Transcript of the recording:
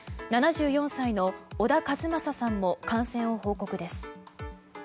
７４歳の小田和正さんも感染を報告です。